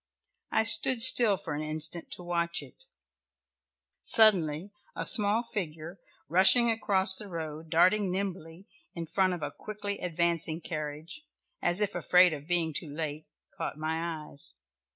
I stood still for an instant to watch it; suddenly a small figure, rushing across the road, darting nimbly in front of a quickly advancing carriage, as if afraid of being too late, caught my eyes.